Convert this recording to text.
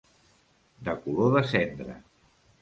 De color de cendra.